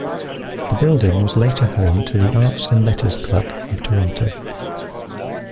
The building was later home to The Arts and Letters Club of Toronto.